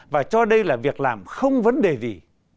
và cho đây là việc làm không vấn đề gì